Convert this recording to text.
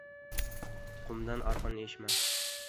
Qumdan arqon eshma.